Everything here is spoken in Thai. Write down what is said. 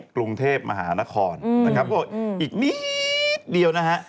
กรุงเทพฯมหานครอีกนิดเดียวนะฮะ